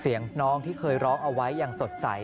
น้องที่เคยร้องเอาไว้อย่างสดใส